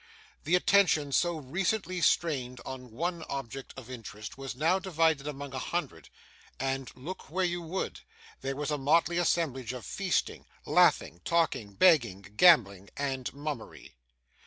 The attention so recently strained on one object of interest, was now divided among a hundred; and look where you would, there was a motley assemblage of feasting, laughing, talking, begging, gambling, and mummery.